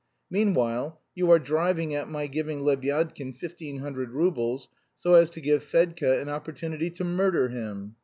Meanwhile you are driving at my giving Lebyadkin fifteen hundred roubles, so as to give Fedka an opportunity to murder him.